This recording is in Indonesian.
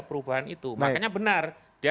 perubahan itu makanya benar dia